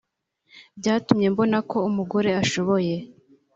byatumye mbona ko umugore ashoboye